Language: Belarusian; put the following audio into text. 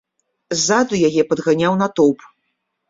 Ззаду яе падганяў натоўп.